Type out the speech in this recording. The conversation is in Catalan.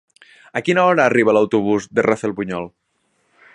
A quina hora arriba l'autobús de Rafelbunyol?